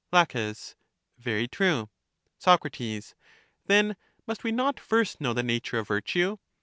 La, Very true. Soc, Then must we not first know the nature of /virtue?